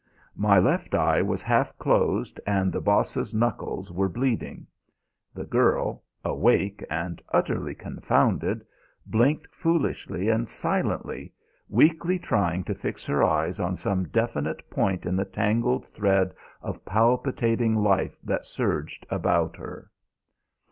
My left eye was half closed and the Boss's knuckles were bleeding. The girl, awake and utterly confounded, blinked foolishly and silently, weakly trying to fix her eyes on some definite point in the tangled thread of palpitating life that surged about her.